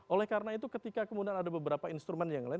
oleh karena itu ketika kemudian ada beberapa instrumen yang lain